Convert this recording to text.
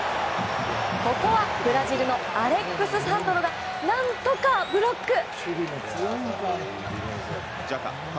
ここはブラジルのアレックス・サンドロが何とかブロック。